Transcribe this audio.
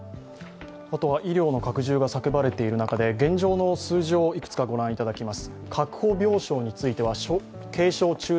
あとは医療の拡充が叫ばれている中で現状の数字をいくつか御覧いただきます。